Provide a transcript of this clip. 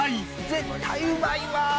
絶対うまいわ！